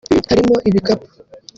harimo ibikapu